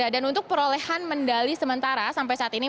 dan untuk perolehan mendali sementara sampai saat ini